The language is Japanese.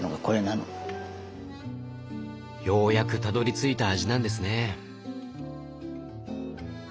ようやくたどりついた味なんですね。